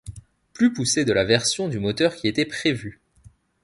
Plus poussée de la version du moteur qui était prévu.